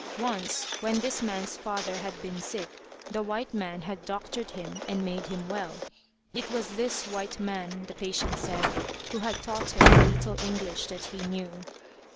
Once, when this man's father had been sick, the white man had doctored him and made him well. It was this white man, the patient said, who had taught him the little English that he knew.